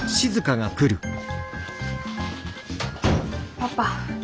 パパ。